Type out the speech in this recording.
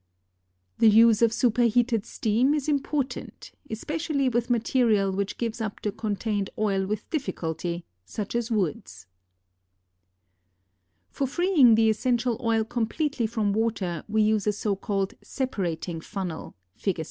The use of superheated steam is important especially with material which gives up the contained oil with difficulty, such as woods. [Illustration: FIG. 16.] For freeing the essential oil completely from water we use a so called separating funnel (Fig.